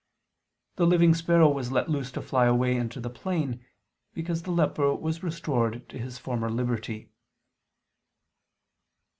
The living sparrow was let loose to fly away into the plain, because the leper was restored to his former liberty.